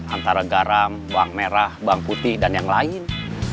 antara garam bawang merah bawang putih dan yang lain